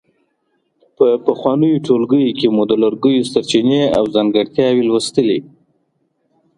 په پخوانیو ټولګیو کې مو د لرګیو سرچینې او ځانګړتیاوې لوستلې.